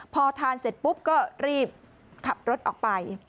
พอทานเสร็จปุ๊บก็รีบขับรถออกไป